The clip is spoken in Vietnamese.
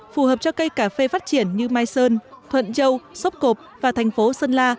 phù hợp cho cây cà phê phát triển như mai sơn thuận châu sóc cộp và thành phố sơn la